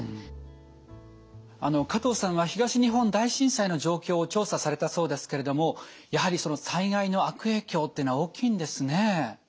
加藤さんは東日本大震災の状況を調査されたそうですけれどもやはりその災害の悪影響ってのは大きいんですね。